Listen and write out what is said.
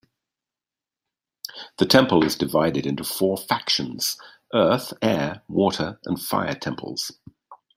The Temple is divided into four factions: Earth, Air, Water, and Fire Temples.